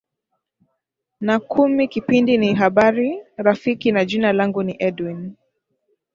na kumi kipindi ni habari rafiki na jina langu ni edwin